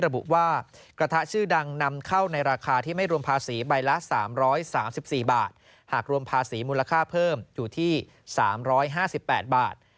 ระบุว่ากระทะชื่อดังนำเข้าในราคาที่ไม่รวมภาษีใบละ๓๓๔บาทหากรวมภาษีมูลค่าเพิ่มอยู่ที่๓๕๘บาท